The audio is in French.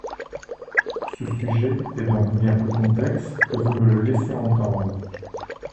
Ce sujet est donc bien plus complexe que vous ne le laissez entendre.